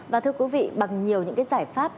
và thưa quý vị bằng nhiều những cái giải pháp